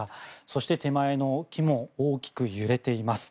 そして手前の木も大きく揺れています。